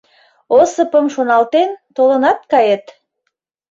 Осыпым шоналтен, толынат кает!..